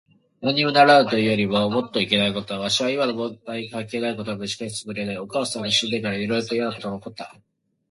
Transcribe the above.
なんにもならぬというよりもっといけないことだ。わしは今の問題に関係ないことをむし返すつもりはない。お母さんが死んでから、いろいろといやなことが起った。